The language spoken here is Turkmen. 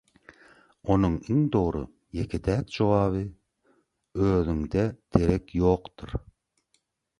Onuň iň dogry, ýeke-täk jogaby „Özüňde derek ýokdur.“